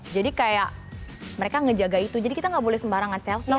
jadi kayak mereka ngejaga itu jadi kita gak boleh sembarangan selfie atau ketemu